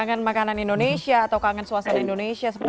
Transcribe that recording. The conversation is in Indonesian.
kangen makanan indonesia atau kangen suasana indonesia seperti apa